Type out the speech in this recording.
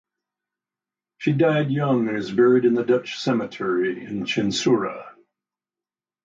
She died young and is buried in the Dutch Cemetery in Chinsurah.